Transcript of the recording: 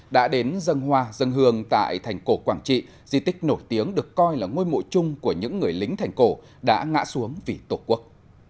đã đến dân hoa dân hương tại thành cổ quảng trị di tích nổi tiếng được coi là ngôi mộ chung của những người lính thành cổ đã ngã xuống vì tổ quốc